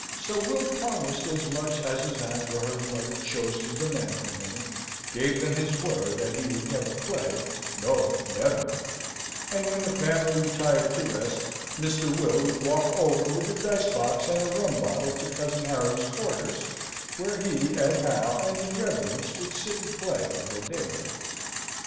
So Will promised as much as his aunt or his mother chose to demand from him, gave them his word that he would never play no, never; and when the family retired to rest, Mr. Will would walk over with a dice box and a rum bottle to cousin Harry's quarters, where he, and Hal, and his reverence would sit and play until daylight.